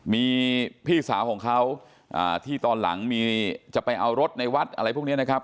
มีพี่สาวของเขาที่ตอนหลังมีจะไปเอารถในวัดอะไรพวกนี้นะครับ